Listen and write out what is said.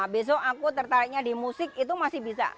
besok aku tertariknya di musik itu masih bisa